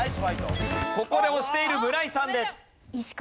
ここで押している村井さんです。